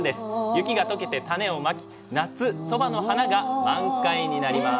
雪が解けて種をまき夏そばの花が満開になります。